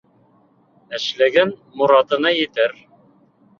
Эшләгән моратына етер.